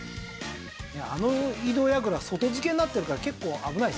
あの井戸櫓外付けになってるから結構危ないですよね。